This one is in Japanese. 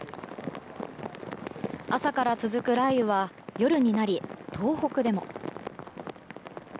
朝から続く雷雨は夜になり東北でも。